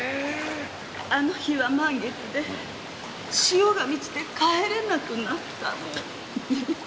あの日は満月で潮が満ちて帰れなくなったって。